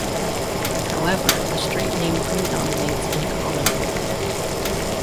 However, the street name predominates in Collingwood.